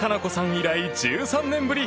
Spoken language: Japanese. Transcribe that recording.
以来１３年ぶり。